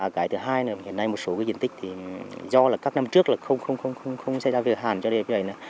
cái thứ hai hiện nay một số diện tích do các năm trước không xây ra việc hạn